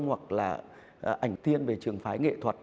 hoặc là ảnh tiên về trường phái nghệ thuật